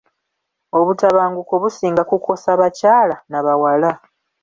Obutabanguko businga kukosa bakyala na bawala.